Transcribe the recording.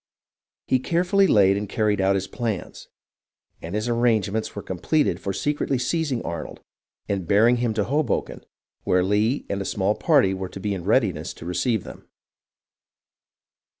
He carefully laid and carried out his plans, and his ar rangements were completed for secretly seizing Arnold and bearing him to Hoboken, where Lee and a small party were to be in readiness to receive them.